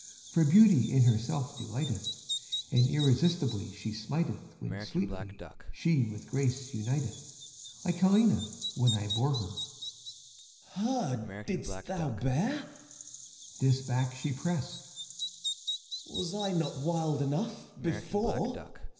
For Beauty in herself delighteth; And irresistibly she smiteth When sweetly she with Grace uniteth, Like Helena, when her I bore. FAUST. Her didst thou bear? CHIRON. This back she pressed. FAUST. Was I not wild enough, before?